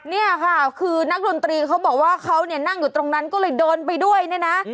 เนี่ยค่ะคือนักดนตรีเขาบอกว่าเขาเนี่ยนั่งอยู่ตรงนั้นก็เลยโดนไปด้วยเนี่ยนะ